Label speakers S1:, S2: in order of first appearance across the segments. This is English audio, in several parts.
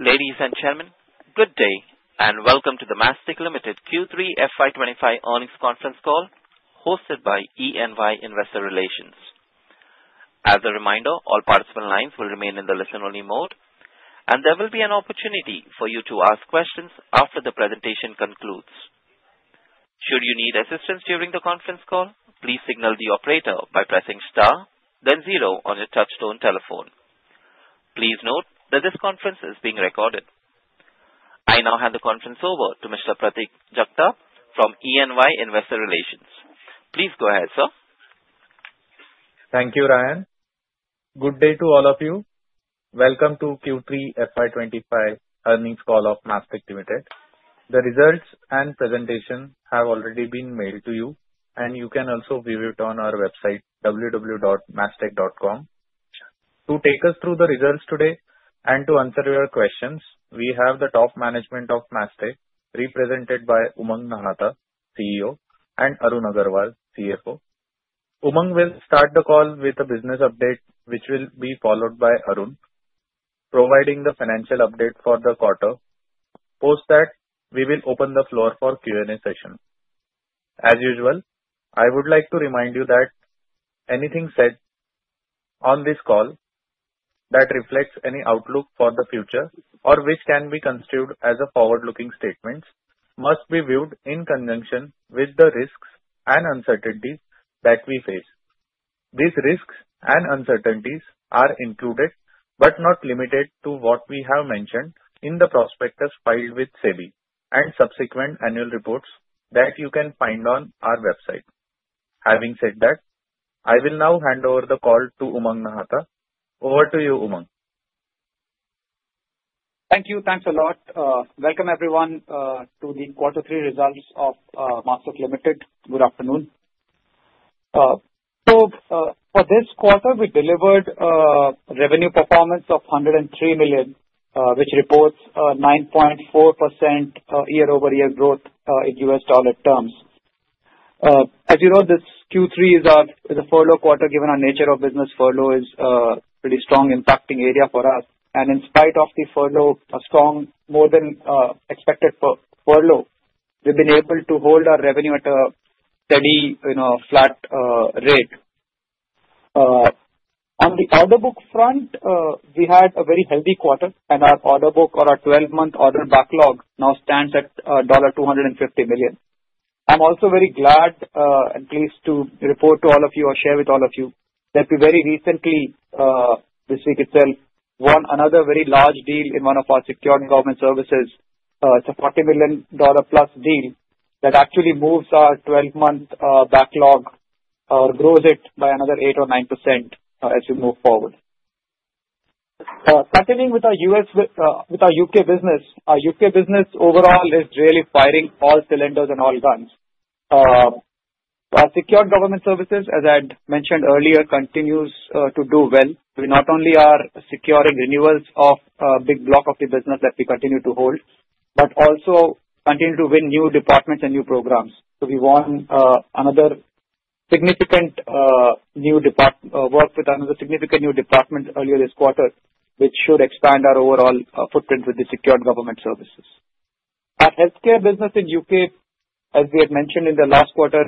S1: Ladies and gentlemen, good day and welcome to the Mastek Limited Q3 FY25 earnings conference call hosted by EY Investor Relations. As a reminder, all participant lines will remain in the listen-only mode, and there will be an opportunity for you to ask questions after the presentation concludes. Should you need assistance during the conference call, please signal the operator by pressing star, then zero on your touch-tone telephone. Please note that this conference is being recorded. I now hand the conference over to Mr. Pratik Jagtap from EY Investor Relations. Please go ahead, sir.
S2: Thank you, Ryan. Good day to all of you. Welcome to Q3 FY25 earnings call of Mastek Limited. The results and presentation have already been mailed to you, and you can also view it on our website, www.mastek.com. To take us through the results today and to answer your questions, we have the top management of Mastek represented by Umang Nahata, CEO, and Arun Agarwal, CFO. Umang will start the call with a business update, which will be followed by Arun providing the financial update for the quarter. After that we will open the floor for Q&A session. As usual, I would like to remind you that anything said on this call that reflects any outlook for the future or which can be construed as a forward-looking statement must be viewed in conjunction with the risks and uncertainties that we face. These risks and uncertainties are included but not limited to what we have mentioned in the prospectus filed with SEBI and subsequent annual reports that you can find on our website. Having said that, I will now hand over the call to Umang Nahata. Over to you, Umang.
S3: Thank you. Thanks a lot. Welcome, everyone, to the quarter three results of Mastek Limited. Good afternoon. So for this quarter, we delivered a revenue performance of $103 million, which reports a 9.4% year-over-year growth in US dollar terms. As you know, this Q3 is a furlough quarter given our nature of business. Furlough is a pretty strong impacting area for us. And in spite of the furlough, a strong, more than expected furlough, we've been able to hold our revenue at a steady, flat rate. On the order book front, we had a very healthy quarter, and our order book or our 12-month order backlog now stands at $250 million. I'm also very glad and pleased to report to all of you or share with all of you that we very recently, this week itself, won another very large deal in one of our Secure Government Services. It's a $40 million+ deal that actually moves our 12-month backlog or grows it by another 8% or 9% as we move forward. Continuing with our U.K. business, our U.K. business overall is really firing all cylinders and all guns. Our Secure Government Services, as I had mentioned earlier, continues to do well. We not only are securing renewals of a big block of the business that we continue to hold, but also continue to win new departments and new programs. So we won another significant new department, worked with another significant new department earlier this quarter, which should expand our overall footprint with the Secure Government Services. Our healthcare business in the U.K., as we had mentioned in the last quarter,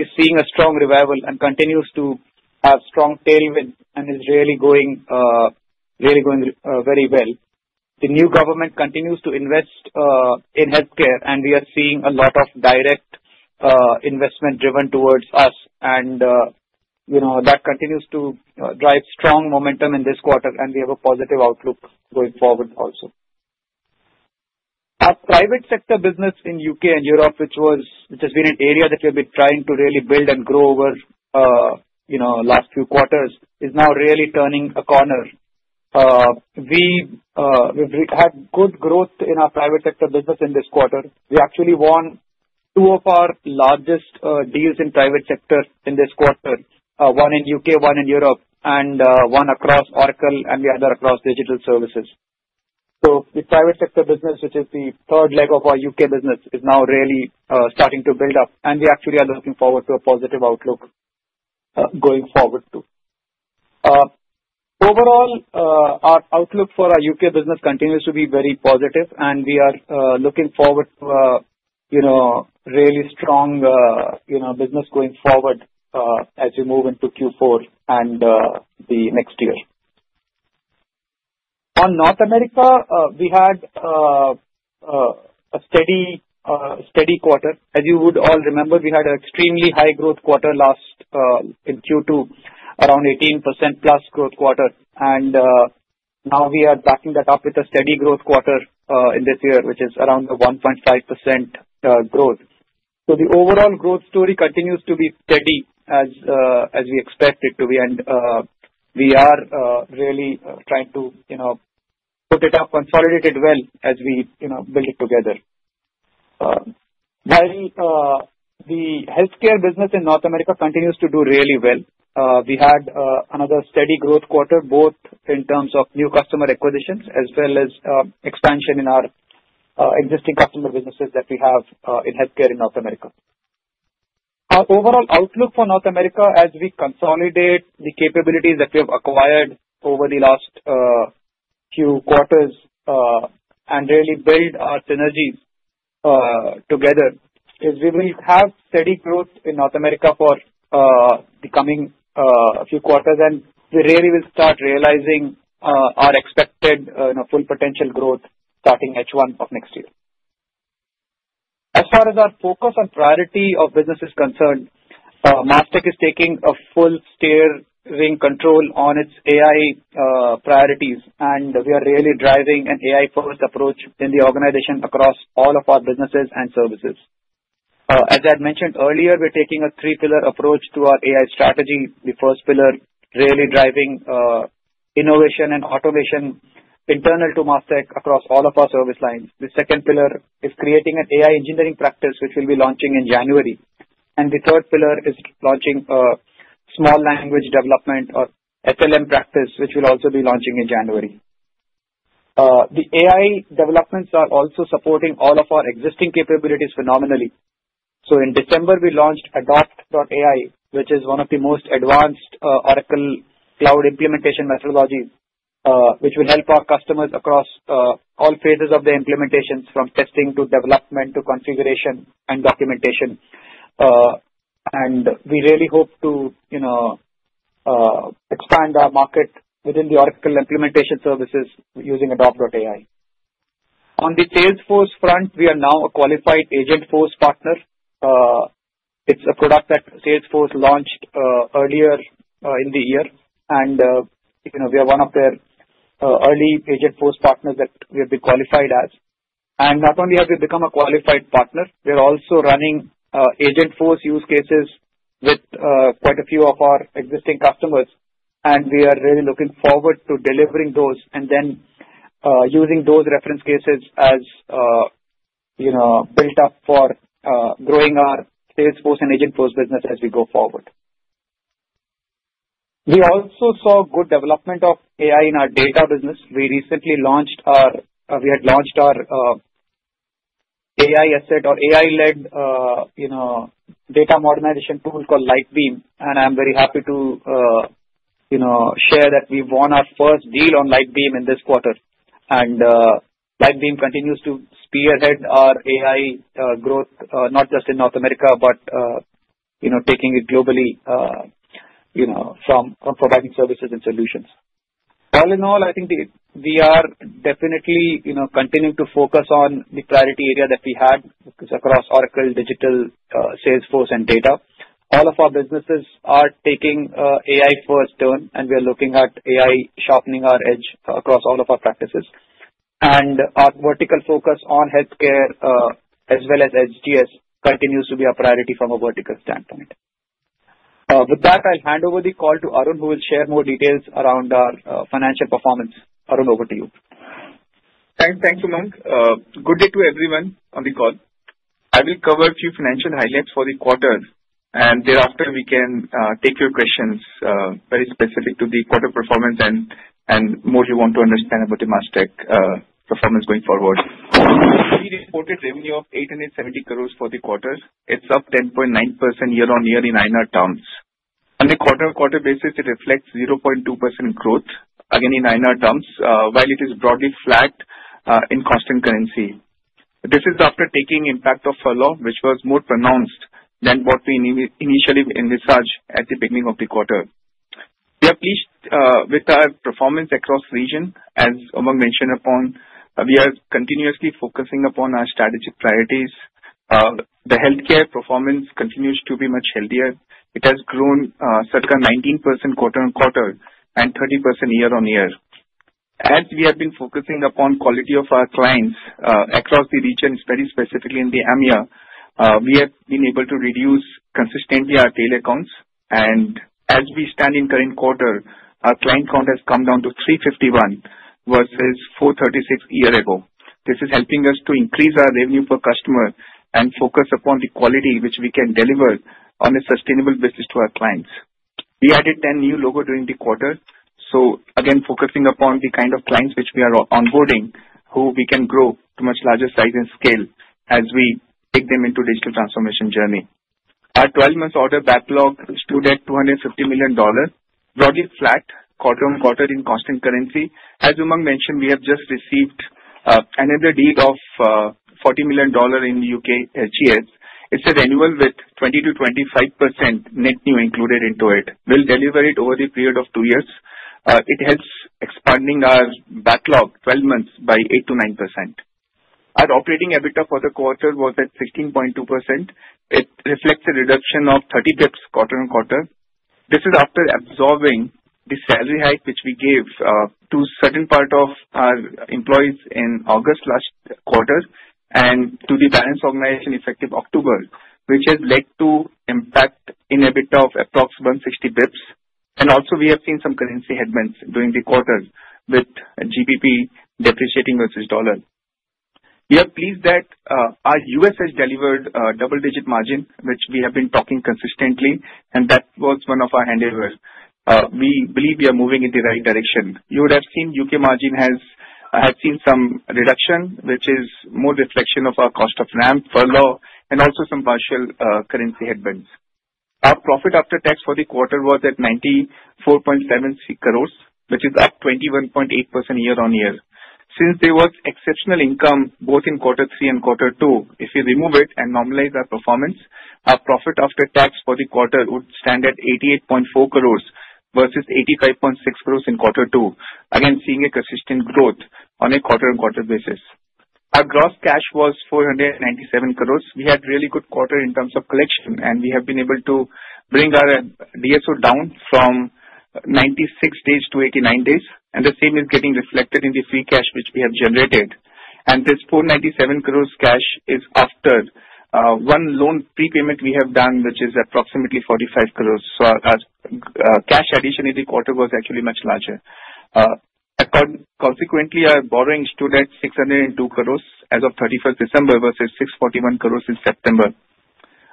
S3: is seeing a strong revival and continues to have strong tailwinds and is really going very well. The new government continues to invest in healthcare, and we are seeing a lot of direct investment driven toward us, and that continues to drive strong momentum in this quarter, and we have a positive outlook going forward also. Our private sector business in the U.K. and Europe, which has been an area that we have been trying to really build and grow over the last few quarters, is now really turning a corner. We have had good growth in our private sector business in this quarter. We actually won two of our largest deals in private sector in this quarter, one in the U.K., one in Europe, and one across Oracle and the other across digital services. So the private sector business, which is the third leg of our U.K. business, is now really starting to build up, and we actually are looking forward to a positive outlook going forward too. Overall, our outlook for our U.K. business continues to be very positive, and we are looking forward to a really strong business going forward as we move into Q4 and the next year. On North America, we had a steady quarter. As you would all remember, we had an extremely high growth quarter in Q2, around 18%+ growth quarter, and now we are backing that up with a steady growth quarter in this year, which is around the 1.5% growth. So the overall growth story continues to be steady as we expect it to be, and we are really trying to put it up, consolidate it well as we build it together. The healthcare business in North America continues to do really well. We had another steady growth quarter, both in terms of new customer acquisitions as well as expansion in our existing customer businesses that we have in healthcare in North America. Our overall outlook for North America, as we consolidate the capabilities that we have acquired over the last few quarters and really build our synergies together, is we will have steady growth in North America for the coming few quarters, and we really will start realizing our expected full potential growth starting H1 of next year. As far as our focus and priority of business is concerned, Mastek is taking a full steering control on its AI priorities, and we are really driving an AI-focused approach in the organization across all of our businesses and services. As I had mentioned earlier, we're taking a three-pillar approach to our AI strategy. The first pillar is really driving innovation and automation internal to Mastek across all of our service lines. The second pillar is creating an AI engineering practice, which we'll be launching in January, and the third pillar is launching a small language model or SLM practice, which we'll also be launching in January. The AI developments are also supporting all of our existing capabilities phenomenally, so in December, we launched Adopt AI, which is one of the most advanced Oracle Cloud implementation methodologies, which will help our customers across all phases of the implementation, from testing to development to configuration and documentation, and we really hope to expand our market within the Oracle implementation services using Adopt AI.. On the Salesforce front, we are now a qualified Agentforce partner. It's a product that Salesforce launched earlier in the year, and we are one of their early Agentforce partners that we have been qualified as. Not only have we become a qualified partner, we are also running Agentforce use cases with quite a few of our existing customers, and we are really looking forward to delivering those and then using those reference cases as built up for growing our Salesforce and Agentforce business as we go forward. We also saw good development of AI in our data business. We had launched our AI asset or AI-led data modernization tool called LightBeam, and I'm very happy to share that we won our first deal on LightBeam in this quarter. LightBeam continues to spearhead our AI growth, not just in North America, but taking it globally from providing services and solutions. All in all, I think we are definitely continuing to focus on the priority area that we had across Oracle, digital, Salesforce, and data. All of our businesses are taking AI first turn, and we are looking at AI sharpening our edge across all of our practices, and our vertical focus on healthcare as well as SGS continues to be a priority from a vertical standpoint. With that, I'll hand over the call to Arun, who will share more details around our financial performance. Arun, over to you.
S4: Thanks, Umang. Good day to everyone on the call. I will cover a few financial highlights for the quarter, and thereafter, we can take your questions very specific to the quarter performance and more you want to understand about the Mastek performance going forward. We reported revenue of 870 crores for the quarter. It's up 10.9% year-on-year in INR terms. On a quarter-on-quarter basis, it reflects 0.2% growth, again in INR terms, while it is broadly flat in constant currency. This is after taking impact of furlough, which was more pronounced than what we initially envisaged at the beginning of the quarter. We are pleased with our performance across region. As Umang mentioned upon, we are continuously focusing upon our strategic priorities. The healthcare performance continues to be much healthier. It has grown circa 19% quarter-on-quarter and 30% year-on-year. As we have been focusing upon quality of our clients across the region, very specifically in the EMEA, we have been able to reduce consistently our tail accounts, and as we stand in current quarter, our client count has come down to 351 versus 436 a year ago. This is helping us to increase our revenue per customer and focus upon the quality which we can deliver on a sustainable basis to our clients. We added 10 new logos during the quarter, so again, focusing upon the kind of clients which we are onboarding, who we can grow to much larger size and scale as we take them into the digital transformation journey. Our 12-month order backlog stood at $250 million, broadly flat quarter-on-quarter in constant currency. As Umang mentioned, we have just received another deal of $40 million in the U.K. SGS. It's a renewal with 20%-25% net new included into it. We'll deliver it over the period of two years. It helps expanding our backlog 12 months by 8%-9%. Our operating EBITDA for the quarter was at 16.2%. It reflects a reduction of 30 basis points quarter-on-quarter. This is after absorbing the salary hike which we gave to a certain part of our employees in August last quarter and to the balance organization effective October, which has led to impact in EBITDA of approximately 160 basis points. And also, we have seen some currency headwinds during the quarter with GBP depreciating versus dollar. We are pleased that our U.S. has delivered a double-digit margin, which we have been talking consistently, and that was one of our handovers. We believe we are moving in the right direction. You would have seen U.K. margin has seen some reduction, which is more reflection of our cost of ramp, furlough, and also some partial currency headwinds. Our profit after tax for the quarter was at 94.76 crores, which is up 21.8% year-on-year. Since there was exceptional income both in quarter three and quarter two, if we remove it and normalize our performance, our profit after tax for the quarter would stand at 88.4 crores versus 85.6 crores in quarter two, again seeing a consistent growth on a quarter-on-quarter basis. Our gross cash was 497 crores. We had a really good quarter in terms of collection, and we have been able to bring our DSO down from 96 days to 89 days, and the same is getting reflected in the free cash which we have generated. This 497 crores cash is after one loan prepayment we have done, which is approximately 45 crores. So our cash addition in the quarter was actually much larger. Consequently, our borrowing stood at 602 crores as of 31st December versus 641 crores in September.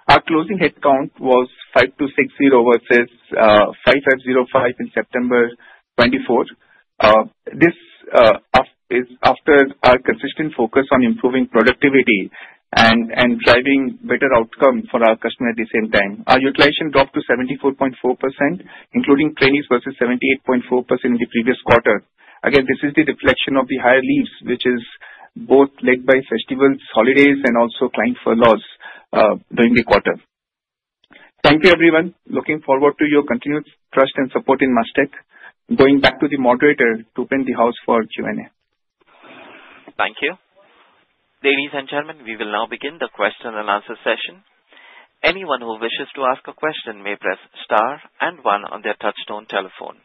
S4: Our closing headcount was 5260 versus 5505 in September 2024. This is after our consistent focus on improving productivity and driving better outcomes for our customers at the same time. Our utilization dropped to 74.4%, including trainees versus 78.4% in the previous quarter. Again, this is the reflection of the higher leaves, which is both led by festivals, holidays, and also client furloughs during the quarter. Thank you, everyone. Looking forward to your continued trust and support in Mastek. Going back to the moderator to open the floor for Q&A.
S1: Thank you. Ladies and gentlemen, we will now begin the question and answer session. Anyone who wishes to ask a question may press star and one on their touch-tone telephone.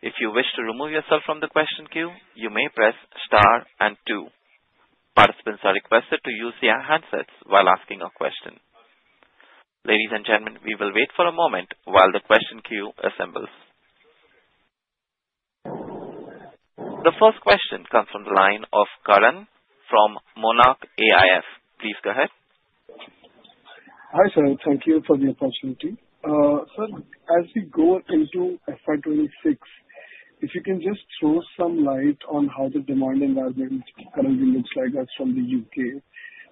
S1: If you wish to remove yourself from the question queue, you may press star and two. Participants are requested to use their handsets while asking a question. Ladies and gentlemen, we will wait for a moment while the question queue assembles. The first question comes from the line of Karan from Monarch AIF. Please go ahead.
S5: Hi, sir. Thank you for the opportunity. Sir, as we go into FY 2026, if you can just throw some light on how the demand environment currently looks like as from the U.K.,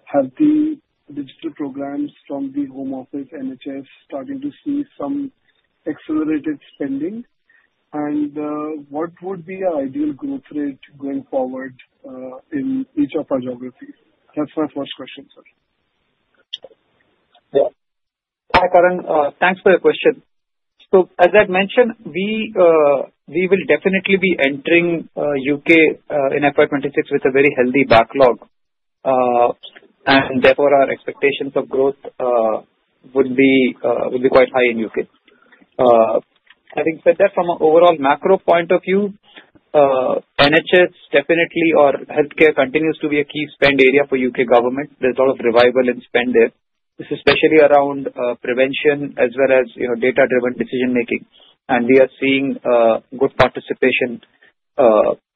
S5: have the digital programs from the Home Office, NHS, starting to see some accelerated spending? And what would be our ideal growth rate going forward in each of our geographies? That's my first question, sir.
S3: Yeah. Hi, Karan. Thanks for the question. So as I had mentioned, we will definitely be entering U.K. in FY 2026 with a very healthy backlog, and therefore our expectations of growth would be quite high in U.K. Having said that, from an overall macro point of view, NHS definitely or healthcare continues to be a key spend area for U.K. government. There's a lot of revival and spend there. It's especially around prevention as well as data-driven decision-making. And we are seeing good participation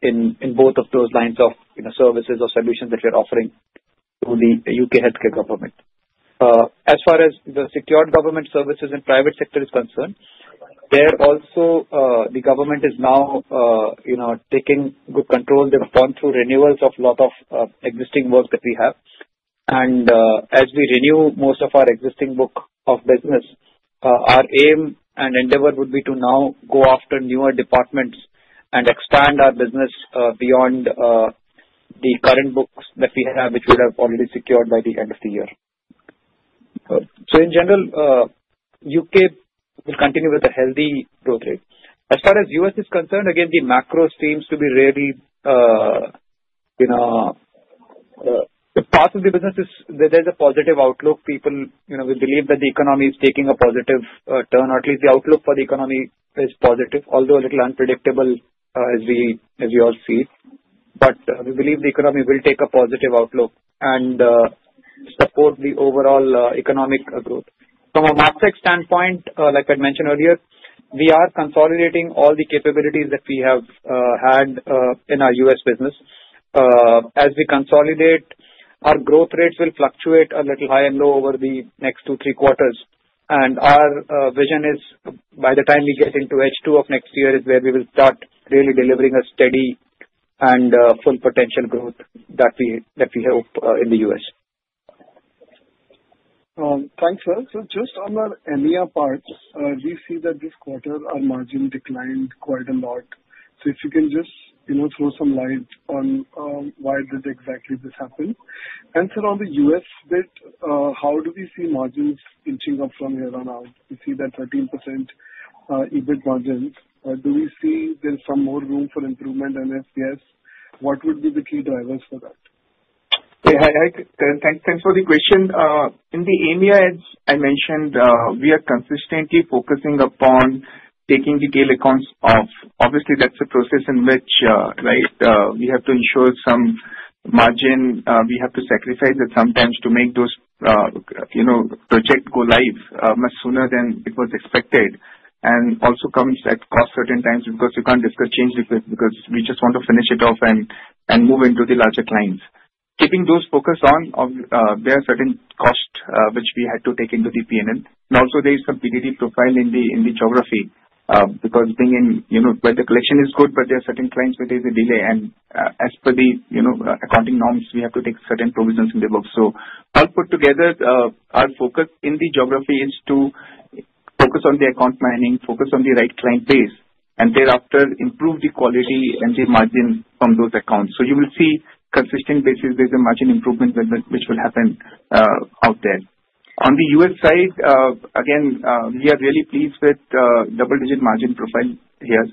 S3: in both of those lines of services or solutions that we are offering to the U.K. healthcare government. As far as the Secure Government Services and private sector is concerned, there also the government is now taking good control. They've gone through renewals of a lot of existing work that we have. As we renew most of our existing book of business, our aim and endeavor would be to now go after newer departments and expand our business beyond the current books that we have, which we would have already secured by the end of the year. In general, the U.K. will continue with a healthy growth rate. As far as the U.S. is concerned, again, the macro seems to be really positive. Part of the business is that there's a positive outlook. We believe that the economy is taking a positive turn, or at least the outlook for the economy is positive, although a little unpredictable, as we all see. We believe the economy will take a positive outlook and support the overall economic growth. From a Mastek standpoint, like I had mentioned earlier, we are consolidating all the capabilities that we have had in our U.S. business. As we consolidate, our growth rates will fluctuate a little high and low over the next two, three quarters, and our vision is, by the time we get into H2 of next year, is where we will start really delivering a steady and full potential growth that we hope in the U.S.
S5: Thanks, sir. So just on the EMEA part, we see that this quarter our margin declined quite a lot. So if you can just throw some light on why did exactly this happen? And sir, on the U.S. bit, how do we see margins inching up from here on out? We see that 13% EBIT margin. Do we see there's some more room for improvement? And if yes, what would be the key drivers for that?
S4: Thanks for the question. In the EMEA, as I mentioned, we are consistently focusing upon taking tail accounts off. Obviously, that's a process in which, right, we have to ensure some margin. We have to sacrifice it sometimes to make those projects go live much sooner than it was expected. And also comes at cost certain times because you can't discuss change because we just want to finish it off and move into the larger clients. Keeping those focused on, there are certain costs which we had to take into the P&L. And also, there is some DSO profile in the geography because being in where the collection is good, but there are certain clients where there is a delay. And as per the accounting norms, we have to take certain provisions in the book. So I'll put together our focus in the geography is to focus on the account mining, focus on the right client base, and thereafter improve the quality and the margin from those accounts. So you will see consistent basis there's a margin improvement which will happen out there. On the U.S. side, again, we are really pleased with double-digit margin profile here.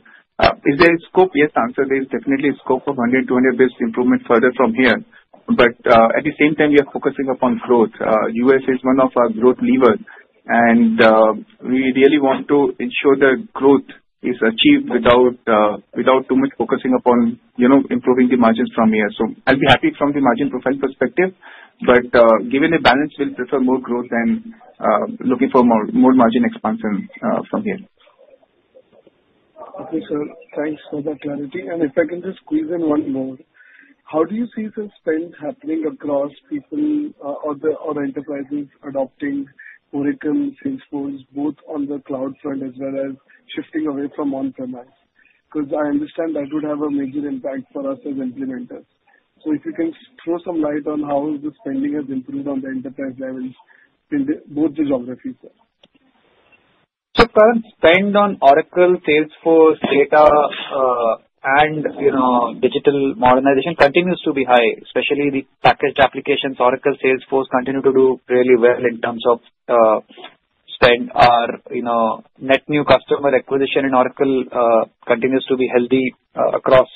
S4: Is there a scope? Yes, answer. There is definitely a scope of 100 basis points-200 basis points improvement further from here. But at the same time, we are focusing upon growth. U.S. is one of our growth levers. And we really want to ensure the growth is achieved without too much focusing upon improving the margins from here. So I'll be happy from the margin profile perspective, but given the balance, we'll prefer more growth than looking for more margin expansion from here.
S5: Okay, sir. Thanks for that clarity. And if I can just squeeze in one more, how do you see the spend happening across people or enterprises adopting Oracle Salesforce both on the cloud front as well as shifting away from on-premise? Because I understand that would have a major impact for us as implementers. So if you can throw some light on how the spending has improved on the enterprise levels in both the geographies, sir.
S3: So current spend on Oracle Salesforce data and digital modernization continues to be high, especially the packaged applications. Oracle Salesforce continue to do really well in terms of spend. Our net new customer acquisition in Oracle continues to be healthy across,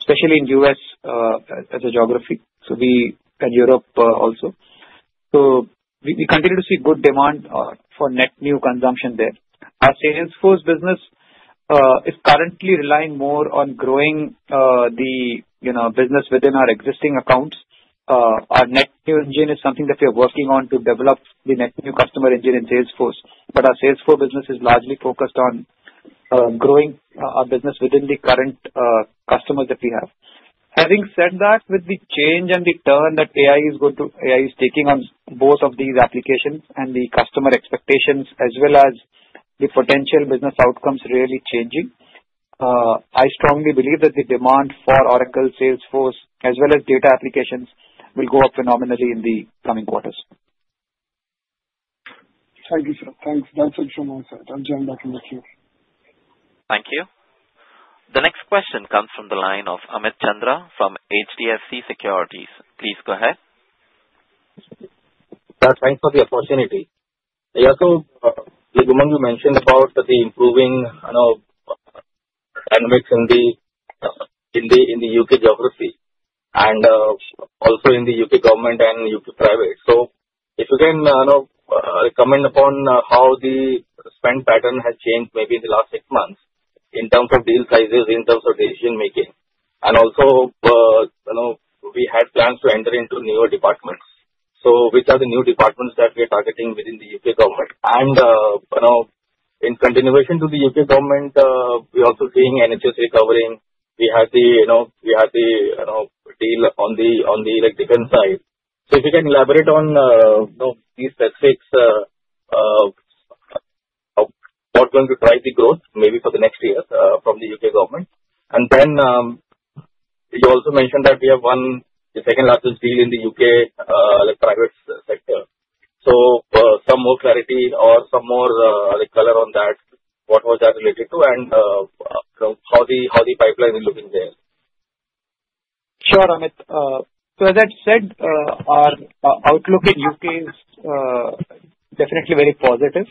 S3: especially in U.S. as a geography, and Europe also. So we continue to see good demand for net new consumption there. Our Salesforce business is currently relying more on growing the business within our existing accounts. Our net new engine is something that we are working on to develop the net new customer engine in Salesforce. But our Salesforce business is largely focused on growing our business within the current customers that we have. Having said that, with the change and the turn that AI is taking on both of these applications and the customer expectations as well as the potential business outcomes really changing, I strongly believe that the demand for Oracle Salesforce as well as data applications will go up phenomenally in the coming quarters.
S5: Thank you, sir. Thanks. That's a good answer. I'll jump back in the queue.
S1: Thank you. The next question comes from the line of Amit Chandra from HDFC Securities. Please go ahead.
S6: Thanks for the opportunity. Also, Umang, you mentioned about the improving dynamics in the U.K. geography and also in the U.K. government and U.K. private. So if you can comment upon how the spend pattern has changed maybe in the last six months in terms of deal sizes, in terms of decision-making? And also, we had plans to enter into newer departments. So which are the new departments that we are targeting within the U.K. government? And in continuation to the U.K. government, we are also seeing NHS recovering. We had the deal on the electrical side. So if you can elaborate on these specifics, what's going to drive the growth maybe for the next year from the U.K. government? And then you also mentioned that we have won the second largest deal in the U.K. private sector. So, some more clarity or some more color on that, what was that related to, and how the pipeline is looking there?
S3: Sure, Amit. So as I had said, our outlook in U.K. is definitely very positive.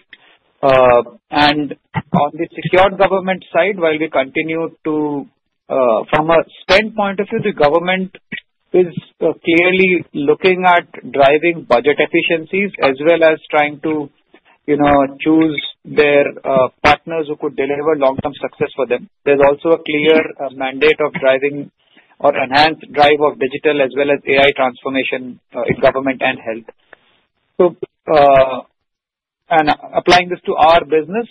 S3: And on the secured government side, while we continue to, from a spend point of view, the government is clearly looking at driving budget efficiencies as well as trying to choose their partners who could deliver long-term success for them. There's also a clear mandate of driving or enhanced drive of digital as well as AI transformation in government and health. And applying this to our business,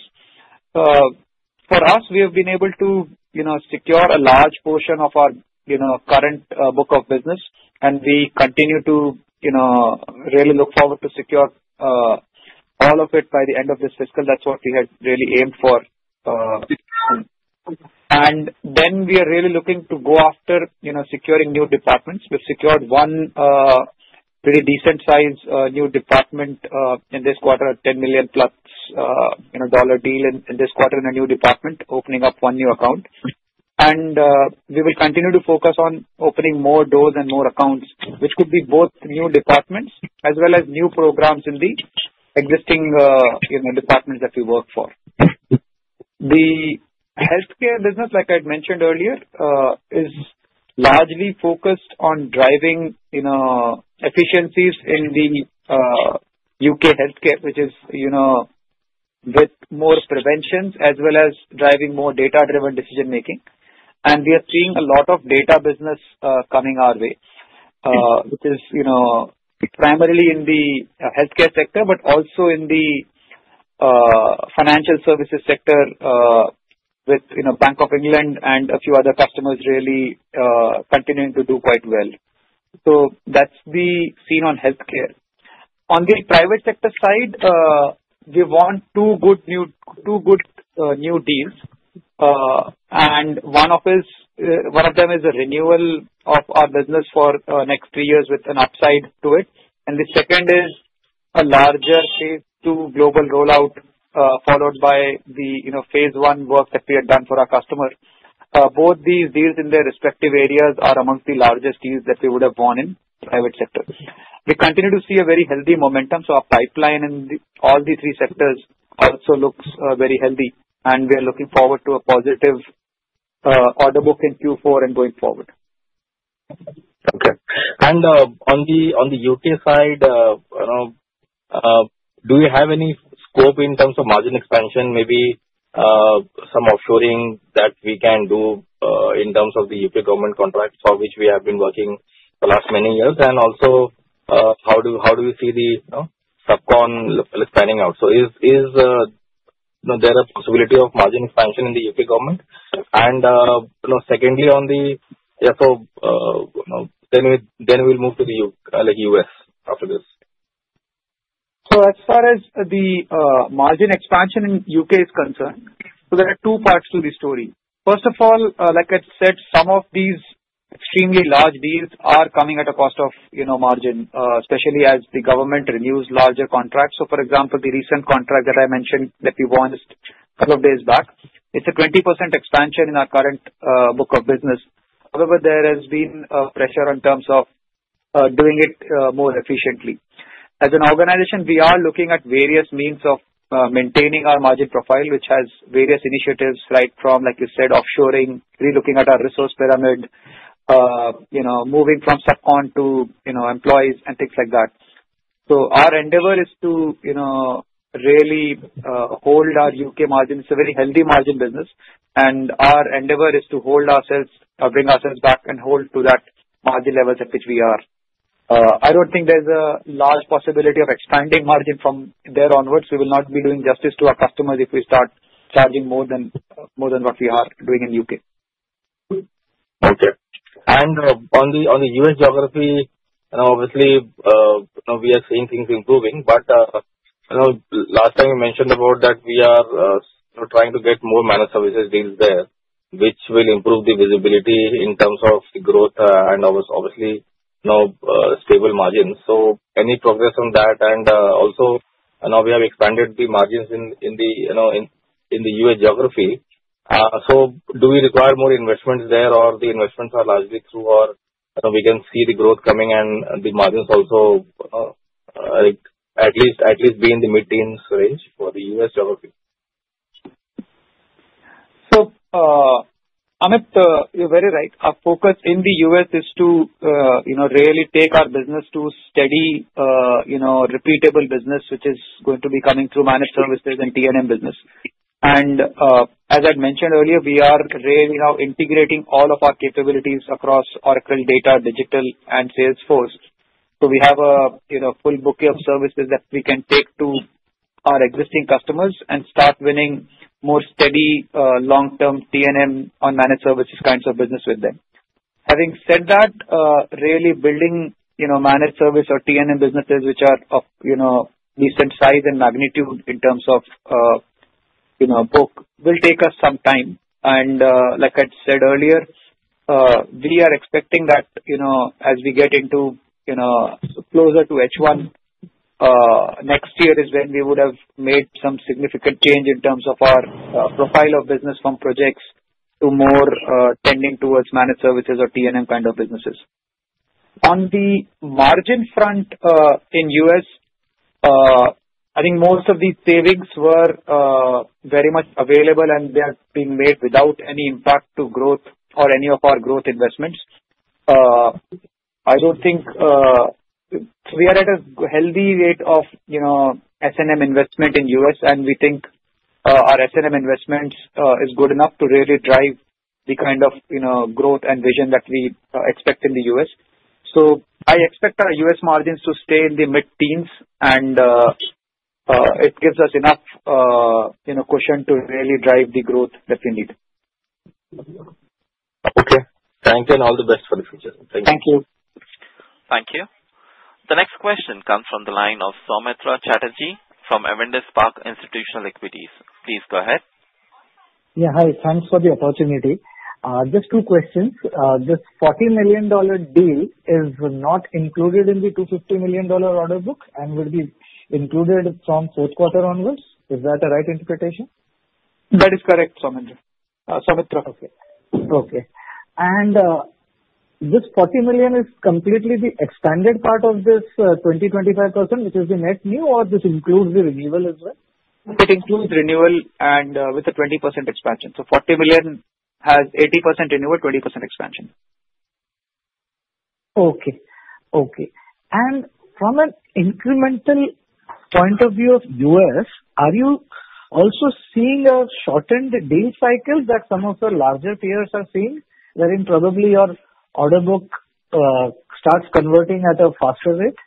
S3: for us, we have been able to secure a large portion of our current book of business. And we continue to really look forward to secure all of it by the end of this fiscal. That's what we had really aimed for. And then we are really looking to go after securing new departments. We've secured one pretty decent-sized new department in this quarter, a $10 million+ deal in this quarter in a new department, opening up one new account. We will continue to focus on opening more doors and more accounts, which could be both new departments as well as new programs in the existing departments that we work for. The healthcare business, like I had mentioned earlier, is largely focused on driving efficiencies in the U.K. healthcare, which is with more preventions as well as driving more data-driven decision-making. We are seeing a lot of data business coming our way, which is primarily in the healthcare sector, but also in the financial services sector with Bank of England and a few other customers really continuing to do quite well. That's the scene on healthcare. On the private sector side, we want two good new deals. And one of them is a renewal of our business for the next three years with an upside to it. And the second is a larger phase two global rollout, followed by the phase one work that we had done for our customer. Both these deals in their respective areas are amongst the largest deals that we would have won in the private sector. We continue to see a very healthy momentum. So our pipeline in all the three sectors also looks very healthy. And we are looking forward to a positive order book in Q4 and going forward.
S6: Okay. And on the U.K. side, do we have any scope in terms of margin expansion, maybe some offshoring that we can do in terms of the U.K. government contracts for which we have been working the last many years? And also, how do we see the subcon expanding out? So is there a possibility of margin expansion in the U.K. government? And secondly, so then we'll move to the U.S. after this?
S3: So as far as the margin expansion in U.K. is concerned, so there are two parts to the story. First of all, like I had said, some of these extremely large deals are coming at a cost of margin, especially as the government renews larger contracts. So for example, the recent contract that I mentioned that we won a couple of days back, it's a 20% expansion in our current book of business. However, there has been pressure in terms of doing it more efficiently. As an organization, we are looking at various means of maintaining our margin profile, which has various initiatives, right from, like you said, offshoring, relooking at our resource pyramid, moving from subcon to employees, and things like that. So our endeavor is to really hold our U.K. margin. It's a very healthy margin business. And our endeavor is to hold ourselves, bring ourselves back, and hold to that margin level at which we are. I don't think there's a large possibility of expanding margin from there onwards. We will not be doing justice to our customers if we start charging more than what we are doing in the U.K.
S6: Okay. And on the U.S. geography, obviously, we are seeing things improving. But last time, you mentioned about that we are trying to get more managed services deals there, which will improve the visibility in terms of the growth and, obviously, stable margins. So any progress on that? And also, we have expanded the margins in the U.S. geography. So do we require more investments there, or the investments are largely through our we can see the growth coming and the margins also at least be in the mid-teens range for the U.S. geography?
S3: So Amit, you're very right. Our focus in the U.S. is to really take our business to steady, repeatable business, which is going to be coming through managed services and T&M business. And as I had mentioned earlier, we are really now integrating all of our capabilities across Oracle, data, digital, and Salesforce. So we have a full booklet of services that we can take to our existing customers and start winning more steady long-term T&M on managed services kinds of business with them. Having said that, really building managed service or T&M businesses, which are of decent size and magnitude in terms of book, will take us some time. Like I had said earlier, we are expecting that as we get closer to H1 next year is when we would have made some significant change in terms of our profile of business from projects to more tending towards managed services or T&M kind of businesses. On the margin front in U.S., I think most of these savings were very much available, and they are being made without any impact to growth or any of our growth investments. I don't think we are at a healthy rate of S&M investment in U.S., and we think our S&M investments are good enough to really drive the kind of growth and vision that we expect in the U.S. I expect our U.S. margins to stay in the mid-teens, and it gives us enough cushion to really drive the growth that we need.
S6: Okay. Thank you, and all the best for the future. Thank you.
S4: Thank you.
S1: Thank you. The next question comes from the line of Soumitra Chatterjee from Avendus Spark Institutional Equities. Please go ahead.
S7: Yeah, hi. Thanks for the opportunity. Just two questions. This $40 million deal is not included in the $250 million order book and will be included from fourth quarter onwards. Is that a right interpretation?
S3: That is correct, Soumitra.
S7: Okay. And this $40 million is completely the expanded part of this 2025 portion, which is the net new, or this includes the renewal as well?
S3: It includes renewal and with a 20% expansion. So $40 million has 80% renewal, 20% expansion.
S7: And from an incremental point of view of U.S., are you also seeing a shortened deal cycle that some of the larger players are seeing, wherein probably your order book starts converting at a faster rate?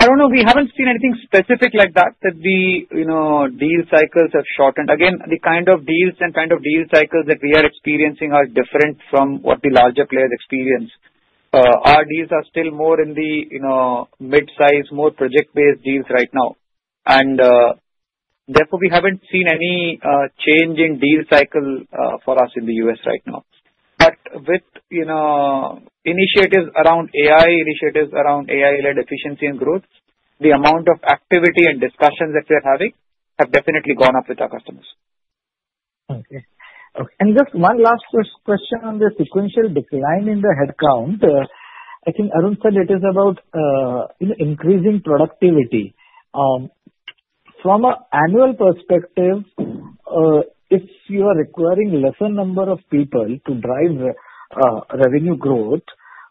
S3: I don't know. We haven't seen anything specific like that, that the deal cycles have shortened. Again, the kind of deals and kind of deal cycles that we are experiencing are different from what the larger players experience. Our deals are still more in the mid-size, more project-based deals right now. And therefore, we haven't seen any change in deal cycle for us in the U.S. right now. But with initiatives around AI, initiatives around AI-led efficiency and growth, the amount of activity and discussions that we are having have definitely gone up with our customers.
S7: Okay. Okay. And just one last question on the sequential decline in the headcount. I think Arun said it is about increasing productivity. From an annual perspective, if you are requiring a lesser number of people to drive revenue growth,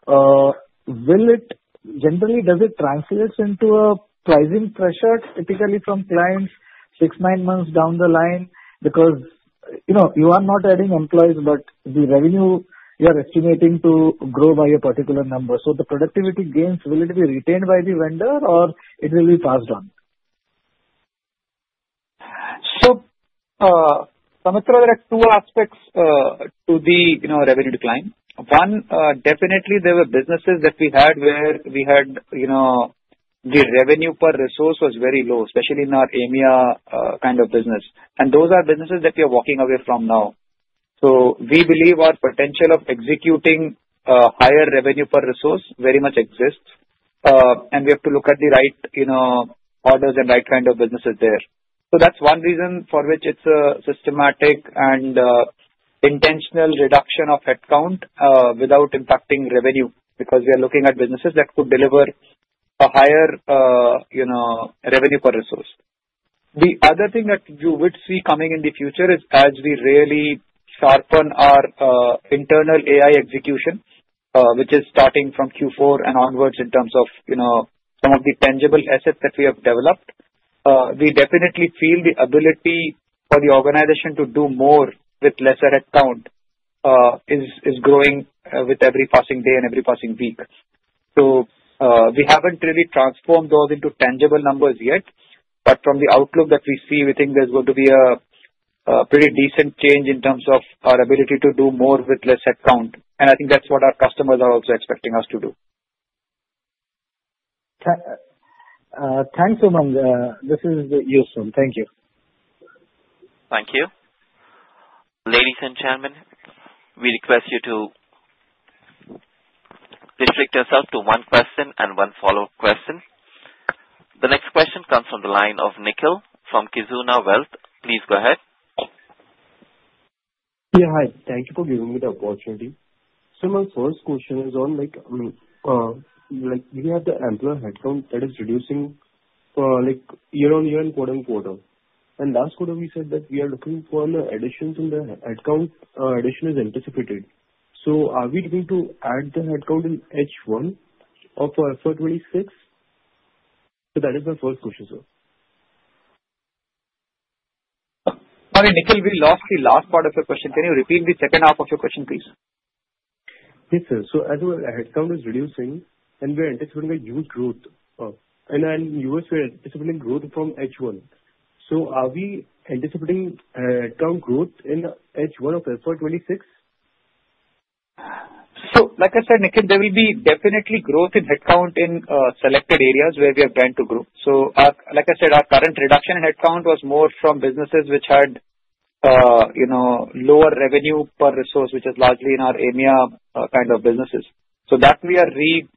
S7: will it generally translate into a pricing pressure typically from clients six, nine months down the line? Because you are not adding employees, but the revenue you are estimating to grow by a particular number. So the productivity gains, will it be retained by the vendor, or it will be passed on?
S3: Soumitra has two aspects to the revenue decline. One, definitely, there were businesses that we had where we had the revenue per resource was very low, especially in our EMEA kind of business. Those are businesses that we are walking away from now. We believe our potential of executing higher revenue per resource very much exists. We have to look at the right orders and right kind of businesses there. That's one reason for which it's a systematic and intentional reduction of headcount without impacting revenue because we are looking at businesses that could deliver a higher revenue per resource. The other thing that you would see coming in the future is as we really sharpen our internal AI execution, which is starting from Q4 and onwards in terms of some of the tangible assets that we have developed, we definitely feel the ability for the organization to do more with lesser headcount is growing with every passing day and every passing week. So we haven't really transformed those into tangible numbers yet. But from the outlook that we see, we think there's going to be a pretty decent change in terms of our ability to do more with less headcount. And I think that's what our customers are also expecting us to do.
S7: Thanks, Umang. This is useful. Thank you.
S1: Thank you. Ladies and gentlemen, we request you to restrict yourself to one question and one follow-up question. The next question comes from the line of Nikhil from Kizuna Wealth. Please go ahead.
S8: Yeah, hi. Thank you for giving me the opportunity. So my first question is on, I mean, we have the employee headcount that is reducing year on year, quarter on quarter. And last quarter, we said that we are looking for an addition to the headcount. Addition is anticipated. So are we going to add the headcount in H1 or for F26? So that is my first question, sir.
S3: Sorry, Nikhil, we lost the last part of your question. Can you repeat the second half of your question, please?
S8: Yes, sir. So as our headcount is reducing, and we are anticipating a huge growth. And in U.S., we are anticipating growth from H1. So are we anticipating headcount growth in H1 of FY 2026?
S3: So like I said, Nikhil, there will be definitely growth in headcount in selected areas where we have planned to grow. So like I said, our current reduction in headcount was more from businesses which had lower revenue per resource, which is largely in our EMEA kind of businesses. So that we are rebalancing.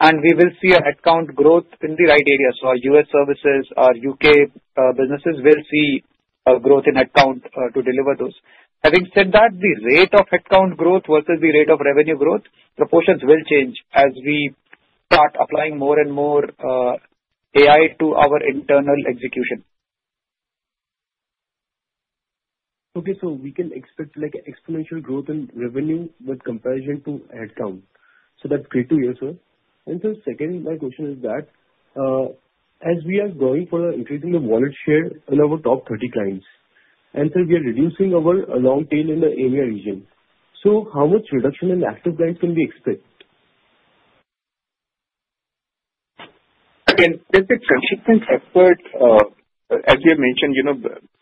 S3: And we will see a headcount growth in the right area. So our U.S. services, our U.K. businesses will see a growth in headcount to deliver those. Having said that, the rate of headcount growth versus the rate of revenue growth proportions will change as we start applying more and more AI to our internal execution.
S8: Okay. So we can expect exponential growth in revenue with comparison to headcount. So that's great to hear, sir. And so second, my question is that as we are going for increasing the wallet share in our top 30 clients, and so we are reducing our long tail in the EMEA region, so how much reduction in active clients can we expect?
S4: Again, there's a consistent effort. As you mentioned,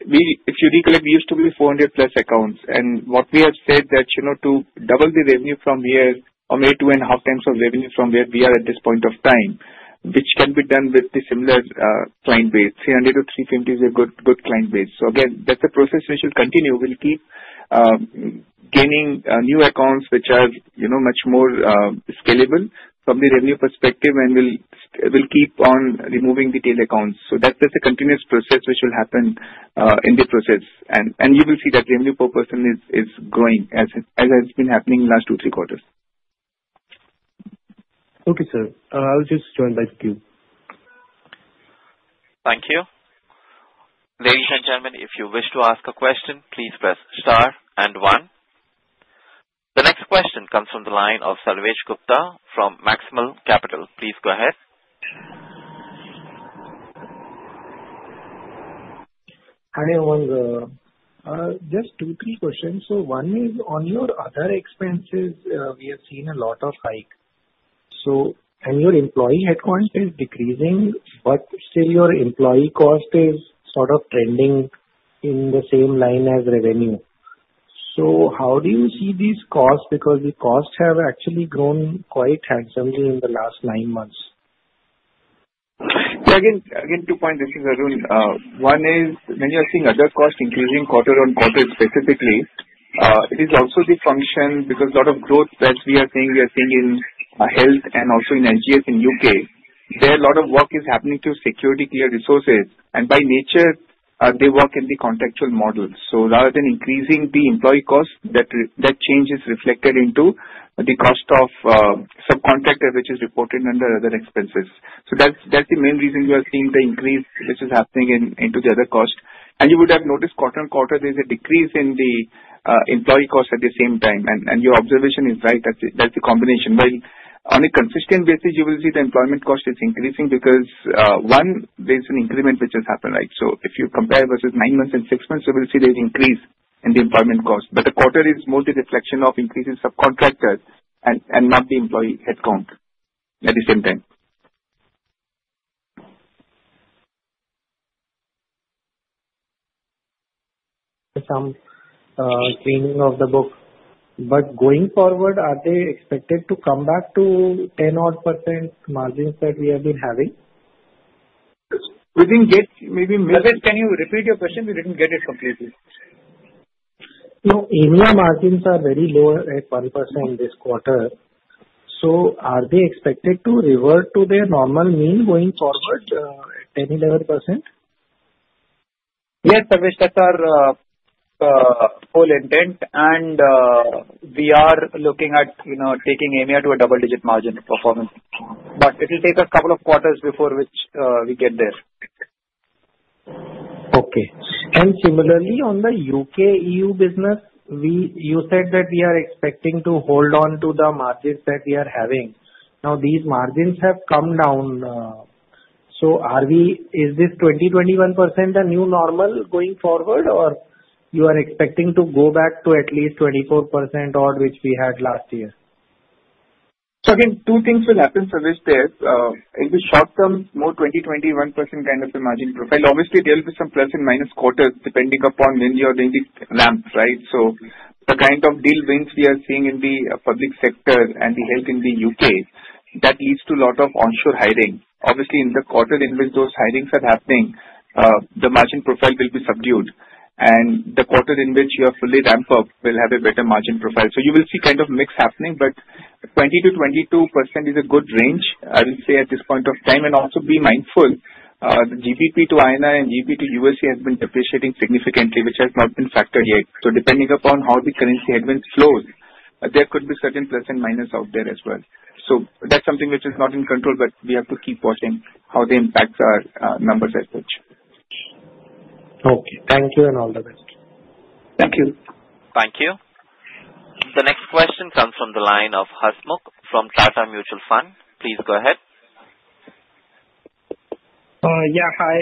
S4: if you recollect, we used to be 400+ accounts, and what we have said is that to double the revenue from here or maybe two and a half times of revenue from where we are at this point of time, which can be done with the similar client base. 300-350 is a good client base, so again, that's a process which will continue. We'll keep gaining new accounts which are much more scalable from the revenue perspective, and we'll keep on removing the tail accounts, so that's a continuous process which will happen in the process, and you will see that revenue per person is growing, as has been happening in the last two, three quarters.
S8: Okay, sir. I'll just join back to queue.
S1: Thank you. Ladies and gentlemen, if you wish to ask a question, please press star and one. The next question comes from the line of Sarvesh Gupta from Maximal Capital. Please go ahead.
S9: Hi, Umang. Just two, three questions. So one is on your other expenses, we have seen a lot of hike. So and your employee headcount is decreasing, but still your employee cost is sort of trending in the same line as revenue. So how do you see these costs? Because the costs have actually grown quite handsomely in the last nine months.
S4: So again, two points I think. One is when you are seeing other costs increasing quarter on quarter specifically. It is also the function because a lot of growth that we are seeing, we are seeing in health and also in SGS in U.K. There a lot of work is happening to security clear resources. And by nature, they work in the contractual model. So rather than increasing the employee cost, that change is reflected into the cost of subcontractor, which is reported under other expenses. So that's the main reason we are seeing the increase which is happening into the other cost. And you would have noticed quarter on quarter, there's a decrease in the employee cost at the same time. And your observation is right. That's the combination. While on a consistent basis, you will see the employment cost is increasing because one, there's an increment which has happened, right? So if you compare versus nine months and six months, you will see there's an increase in the employment cost. But the quarter is more the reflection of increasing subcontractors and not the employee headcount at the same time.
S9: Some screening of the book. But going forward, are they expected to come back to 10-odd% margins that we have been having?
S3: We didn't get maybe miss. Sorry, can you repeat your question? We didn't get it completely.
S9: No, EMEA margins are very low at 1% this quarter. So are they expected to revert to their normal mean going forward at 10%-11%?
S3: Yes, Sarvesh Gupta, full intent. And we are looking at taking EMEA to a double-digit margin performance. But it will take a couple of quarters before which we get there.
S9: Okay. And similarly, on the U.K. EU business, you said that we are expecting to hold on to the margins that we are having. Now, these margins have come down. So is this 20%-21% a new normal going forward, or you are expecting to go back to at least 24% odd which we had last year?
S4: So again, two things will happen, Sarvesh Gupta. In the short term, more 20%-21% kind of a margin profile. Obviously, there will be some plus and minus quarters depending upon when you are doing the ramp, right? So the kind of deal wins we are seeing in the public sector and the health in the U.K., that leads to a lot of onshore hiring. Obviously, in the quarter in which those hirings are happening, the margin profile will be subdued. And the quarter in which you are fully ramped up will have a better margin profile. So you will see kind of mix happening, but 20%-22% is a good range, I would say, at this point of time. And also be mindful, GBP to INR and GBP to USD has been depreciating significantly, which has not been factored yet. So depending upon how the currency headwinds flow, there could be certain plus and minus out there as well. So that's something which is not in control, but we have to keep watching how the impacts are numbers as such.
S9: Okay. Thank you and all the best.
S4: Thank you.
S1: Thank you. The next question comes from the line of Hasmukh from Tata Mutual Fund. Please go ahead.
S10: Yeah, hi.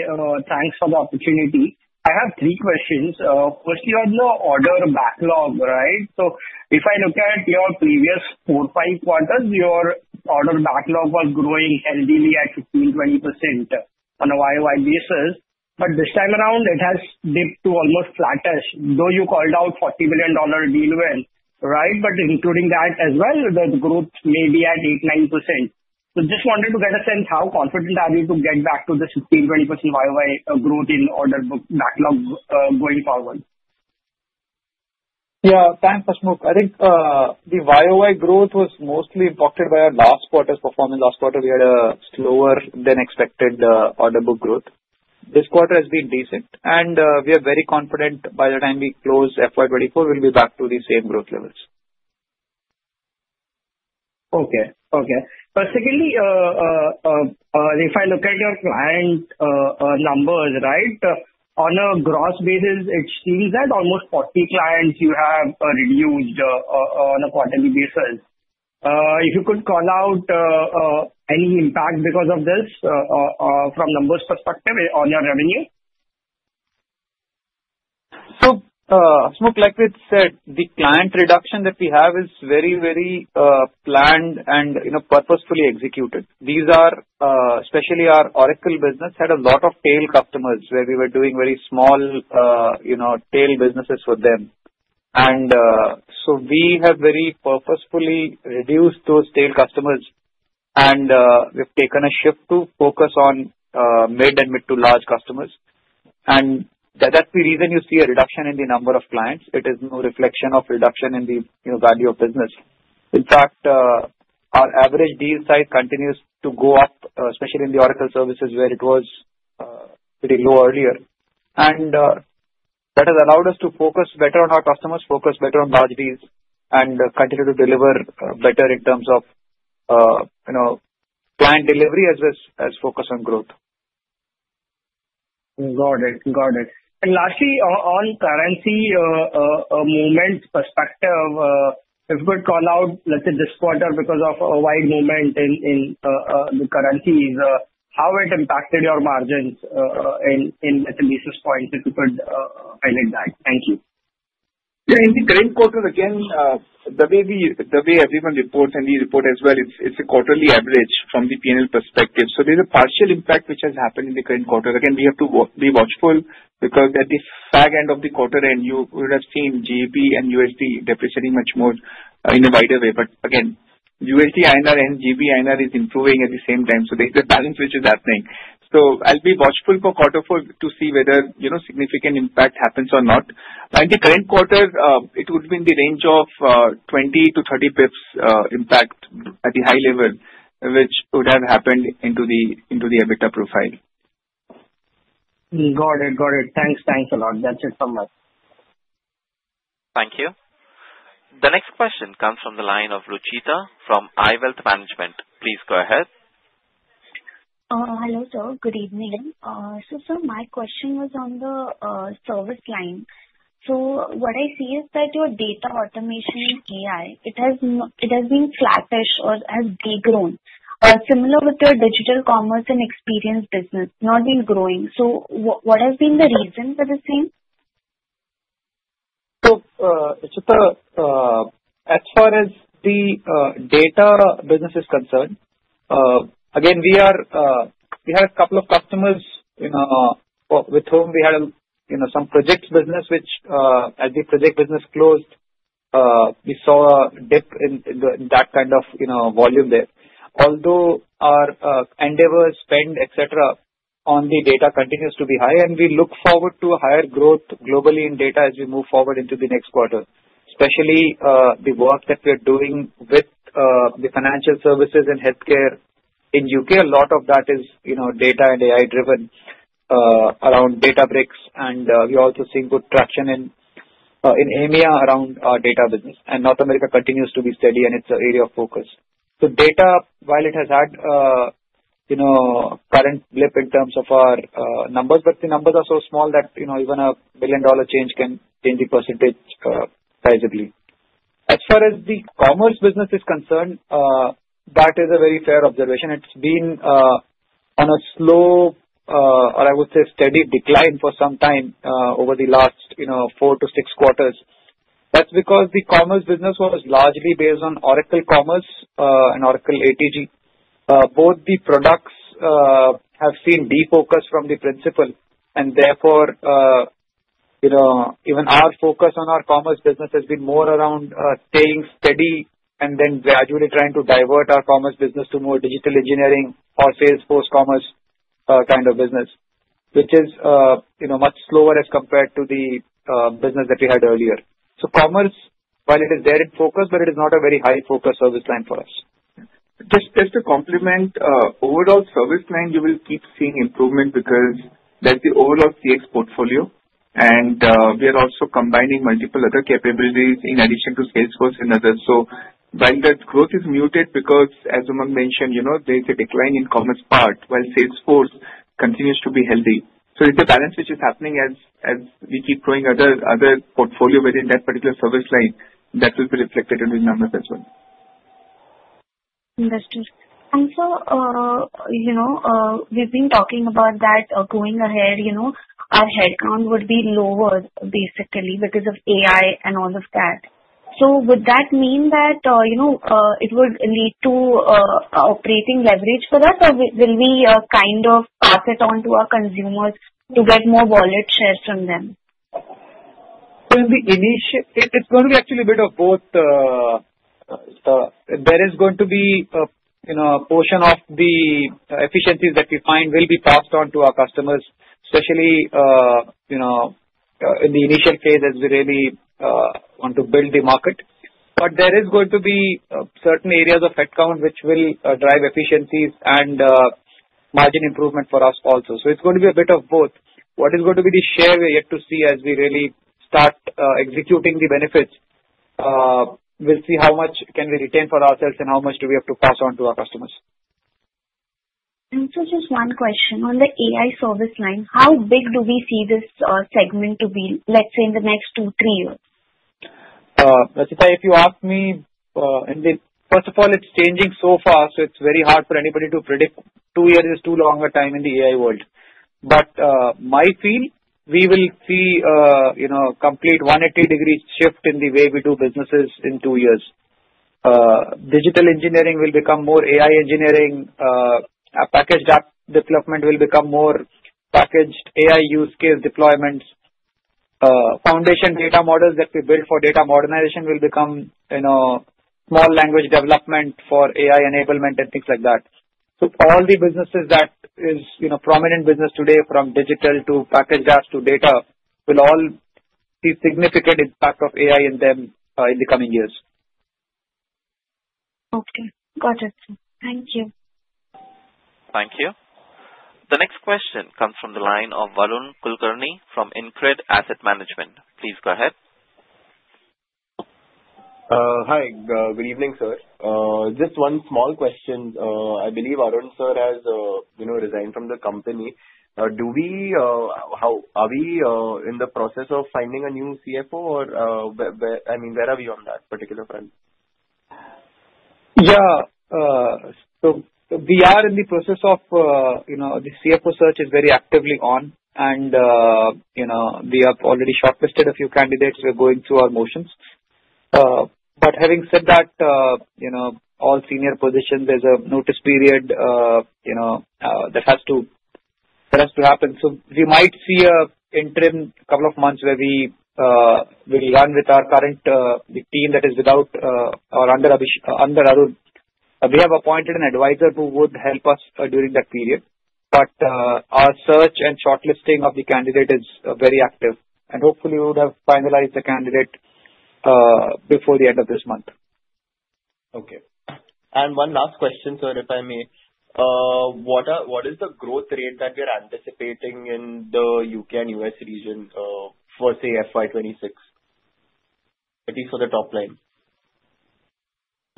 S10: Thanks for the opportunity. I have three questions. First, you had no order backlog, right? So if I look at your previous four, five quarters, your order backlog was growing heavily at 15%-20% on a YoY basis. But this time around, it has dipped to almost flat-ish, though you called out $40 million deal win, right? But including that as well, the growth may be at 8%-9%. So just wanted to get a sense, how confident are you to get back to the 16%-20% YoY growth in order backlog going forward?
S3: Yeah, thanks, Hasmukh. I think the YoY growth was mostly impacted by our last quarter's performance. Last quarter, we had a slower-than-expected order book growth. This quarter has been decent, and we are very confident by the time we close FY 2024, we'll be back to the same growth levels.
S10: Okay. Okay, but secondly, if I look at your client numbers, right, on a gross basis, it seems that almost 40 clients you have reduced on a quarterly basis. If you could call out any impact because of this from numbers perspective on your revenue?
S3: So Hasmukh, like we said, the client reduction that we have is very, very planned and purposefully executed. These are, especially our Oracle business, had a lot of tail customers where we were doing very small tail businesses for them. And so we have very purposefully reduced those tail customers. And we've taken a shift to focus on mid and mid to large customers. And that's the reason you see a reduction in the number of clients. It is no reflection of reduction in the value of business. In fact, our average deal size continues to go up, especially in the Oracle services where it was pretty low earlier. And that has allowed us to focus better on our customers, focus better on large deals, and continue to deliver better in terms of client delivery as well as focus on growth.
S10: Got it. Got it. And lastly, on currency movement perspective, if you could call out, let's say, this quarter because of a wide movement in the currencies, how it impacted your margins in the basis points, if you could highlight that. Thank you.
S4: Yeah, in the current quarter, again, the way everyone reports and we report as well, it's a quarterly average from the P&L perspective. So there's a partial impact which has happened in the current quarter. Again, we have to be watchful because at the tail end of the quarter end, you would have seen GBP and USD depreciating much more in a wider way. But again, USD INR and GBP INR is improving at the same time. So there's a balance which is happening. So I'll be watchful for quarter four to see whether significant impact happens or not. In the current quarter, it would be in the range of 20 basis points-30 basis points impact at the high level, which would have happened into the EBITDA profile.
S10: Got it. Got it. Thanks. Thanks a lot. That's it from me.
S1: Thank you. The next question comes from the line of Rucheeta from iWealth Management. Please go ahead.
S11: Hello, sir. Good evening. So, sir, my question was on the service line. So, what I see is that your data automation AI, it has been flat-ish or has degrown or similar with your digital commerce and experience business, not been growing. So, what has been the reason for the same?
S3: So, Rucheeta, as far as the data business is concerned, again, we had a couple of customers with whom we had some project business, which, as the project business closed, we saw a dip in that kind of volume there. Although our endeavors, spend, etc., on the data continues to be high, and we look forward to higher growth globally in data as we move forward into the next quarter, especially the work that we are doing with the financial services and healthcare in U.K. A lot of that is data and AI-driven around Databricks. And we also see good traction in EMEA around our data business. And North America continues to be steady, and it's an area of focus. Data, while it has had a current blip in terms of our numbers, but the numbers are so small that even a billion-dollar change can change the percentage sizably. As far as the commerce business is concerned, that is a very fair observation. It's been on a slow, or I would say steady decline for some time over the last four to six quarters. That's because the commerce business was largely based on Oracle Commerce and Oracle ATG. Both the products have seen defocus from the principal. And therefore, even our focus on our commerce business has been more around staying steady and then gradually trying to divert our commerce business to more digital engineering or Salesforce Commerce kind of business, which is much slower as compared to the business that we had earlier. Commerce, while it is there in focus, but it is not a very high-focus service line for us.
S4: Just to complement, overall service line, you will keep seeing improvement because that's the overall CX portfolio, and we are also combining multiple other capabilities in addition to Salesforce and others. So while that growth is muted because, as Umang mentioned, there's a decline in commerce part, while Salesforce continues to be healthy, so it's a balance which is happening as we keep growing other portfolio within that particular service line. That will be reflected in the numbers as well.
S11: Understood, and sir, we've been talking about that going ahead. Our headcount would be lower, basically, because of AI and all of that, so would that mean that it would lead to operating leverage for us, or will we kind of pass it on to our consumers to get more wallet shares from them?
S3: It's going to be actually a bit of both. There is going to be a portion of the efficiencies that we find will be passed on to our customers, especially in the initial phase as we really want to build the market. But there is going to be certain areas of headcount which will drive efficiencies and margin improvement for us also. So it's going to be a bit of both. What is going to be the share we yet to see as we really start executing the benefits? We'll see how much can we retain for ourselves and how much do we have to pass on to our customers.
S11: Sir, just one question. On the AI service line, how big do we see this segment to be, let's say, in the next two, three years?
S3: Rucheeta, if you ask me, first of all, it's changing so fast, so it's very hard for anybody to predict. Two years is too long a time in the AI world. But my feel, we will see a complete 180-degree shift in the way we do businesses in two years. Digital engineering will become more AI engineering. Packaged app development will become more packaged AI use case deployments. Foundation data models that we build for data modernization will become small language model development for AI enablement and things like that. So all the businesses that are prominent business today, from digital to packaged apps to data, will all see significant impact of AI in them in the coming years.
S11: Okay. Got it. Thank you.
S1: Thank you. The next question comes from the line of Varun Kulkarni from InCred Asset Management. Please go ahead.
S12: Hi. Good evening, sir. Just one small question. I believe Arun sir has resigned from the company. Are we in the process of finding a new CFO, or I mean, where are we on that particular front?
S3: Yeah, so we are in the process of the CFO search, which is very actively on. And we have already shortlisted a few candidates. We're going through our motions. But having said that, all senior positions, there's a notice period that has to happen. So we might see an interim couple of months where we will run with our current team that is without or under Arun. We have appointed an advisor who would help us during that period. But our search and shortlisting of the candidate is very active. And hopefully, we would have finalized the candidate before the end of this month.
S12: Okay. One last question, sir, if I may. What is the growth rate that we are anticipating in the U.K. and U.S. region for, say, FY 2026? At least for the top line.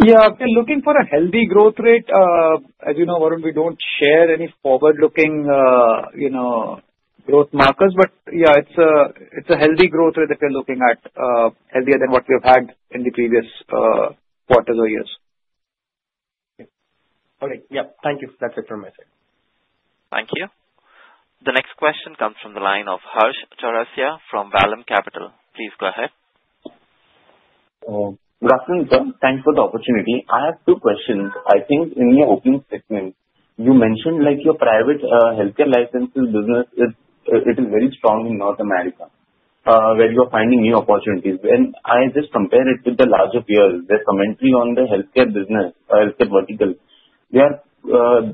S3: Yeah. If you're looking for a healthy growth rate, as you know, Varun, we don't share any forward-looking growth markers. But yeah, it's a healthy growth rate that we're looking at, healthier than what we have had in the previous quarters or years.
S12: All right. Yeah. Thank you. That's it from my side.
S1: Thank you. The next question comes from the line of Harsh Chaurasia from Vallum Capital. Please go ahead.
S13: Hasmukh, sir, thanks for the opportunity. I have two questions. I think in your opening statement, you mentioned your private healthcare licensing business. It is very strong in North America where you are finding new opportunities. When I just compare it with the larger peers, their commentary on the healthcare business, healthcare vertical,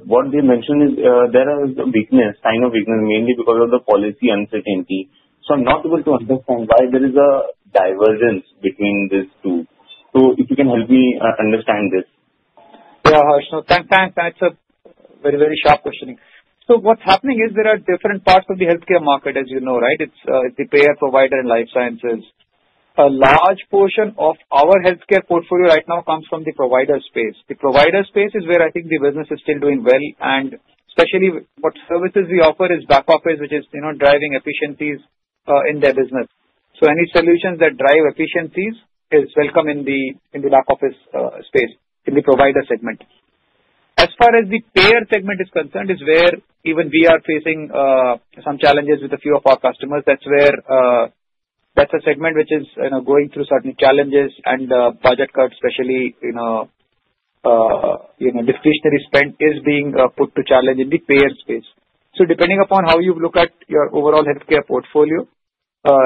S13: what they mention is there is a weakness, sign of weakness, mainly because of the policy uncertainty. So I'm not able to understand why there is a divergence between these two. So if you can help me understand this.
S3: Yeah, Harsh. Thanks. That's a very, very sharp question. So what's happening is there are different parts of the healthcare market, as you know, right? It's the payer, provider, and life sciences. A large portion of our healthcare portfolio right now comes from the provider space. The provider space is where I think the business is still doing well. And especially what services we offer is back office, which is driving efficiencies in their business. So any solutions that drive efficiencies is welcome in the back office space, in the provider segment. As far as the payer segment is concerned, it's where even we are facing some challenges with a few of our customers. That's a segment which is going through certain challenges. And budget cuts, especially discretionary spend, is being put to challenge in the payer space. So depending upon how you look at your overall healthcare portfolio,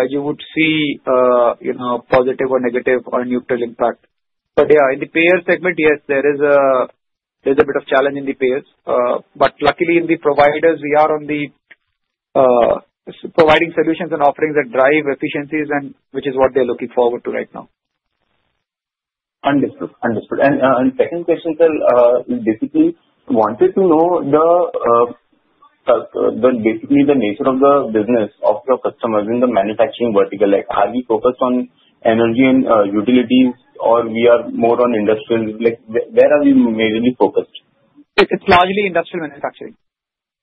S3: you would see a positive or negative or neutral impact. But yeah, in the payer segment, yes, there is a bit of challenge in the payers. But luckily, in the providers, we are on the providing solutions and offerings that drive efficiencies, which is what they're looking forward to right now.
S13: Understood. Understood. And second question, sir, we basically wanted to know basically the nature of the business of your customers in the manufacturing vertical. Are we focused on energy and utilities, or we are more on industrial? Where are we mainly focused?
S3: It's largely industrial manufacturing.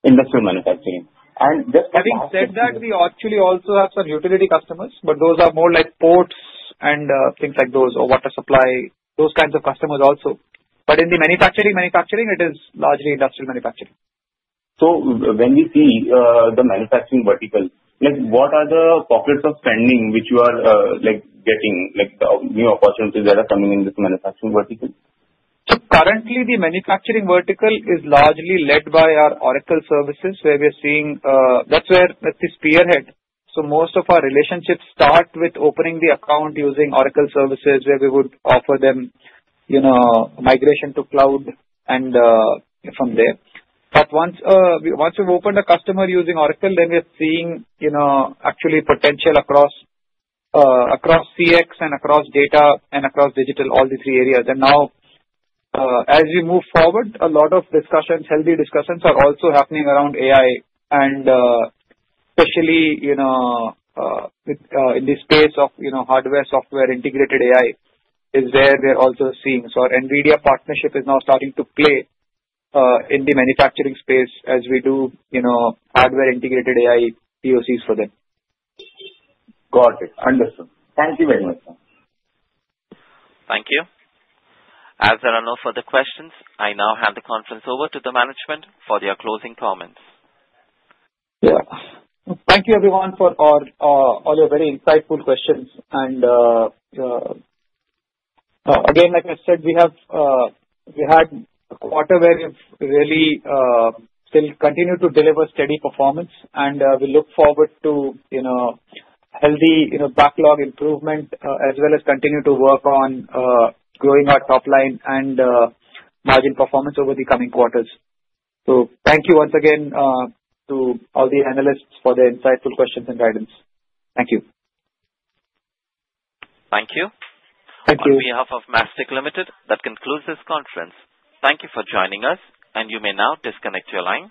S13: Industrial manufacturing. And just for clarity.
S3: Having said that, we actually also have some utility customers, but those are more like ports and things like those, or water supply, those kinds of customers also. But in the manufacturing, it is largely industrial manufacturing.
S13: When we see the manufacturing vertical, what are the pockets of spending which you are getting, new opportunities that are coming in this manufacturing vertical?
S3: So currently, the manufacturing vertical is largely led by our Oracle services, where we are seeing that's where this spearhead. So most of our relationships start with opening the account using Oracle services, where we would offer them migration to cloud and from there. But once we've opened a customer using Oracle, then we're seeing actually potential across CX and across data and across digital, all these three areas. And now, as we move forward, a lot of discussions, healthy discussions are also happening around AI. And especially in the space of hardware, software, integrated AI is where we're also seeing. So our NVIDIA partnership is now starting to play in the manufacturing space as we do hardware integrated AI POCs for them.
S13: Got it. Understood. Thank you very much, sir.
S1: Thank you. As there are no further questions, I now hand the conference over to the management for their closing comments.
S3: Yeah. Thank you, everyone, for all your very insightful questions, and again, like I said, we had a quarter where we've really still continued to deliver steady performance, and we look forward to healthy backlog improvement as well as continue to work on growing our top line and margin performance over the coming quarters, so thank you once again to all the analysts for their insightful questions and guidance. Thank you.
S1: Thank you.
S4: Thank you.
S1: On behalf of Mastek Limited, that concludes this conference. Thank you for joining us, and you may now disconnect your lines.